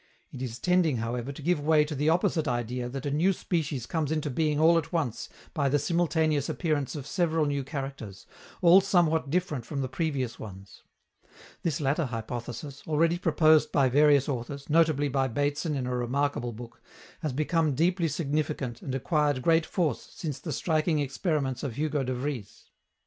It is tending, however, to give way to the opposite idea that a new species comes into being all at once by the simultaneous appearance of several new characters, all somewhat different from the previous ones. This latter hypothesis, already proposed by various authors, notably by Bateson in a remarkable book, has become deeply significant and acquired great force since the striking experiments of Hugo de Vries.